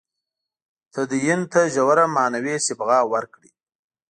تدین ته ژوره معنوي صبغه ورکړي.